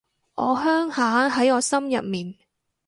我鄉下喺我心入面